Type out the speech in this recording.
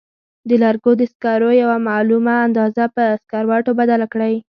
د لرګو د سکرو یوه معلومه اندازه په سکروټو بدله کړئ.